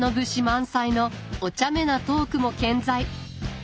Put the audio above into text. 満載のおちゃめなトークも健在。